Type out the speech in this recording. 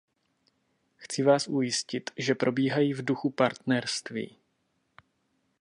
Chci vás ujistit, že probíhají v duchu partnerství.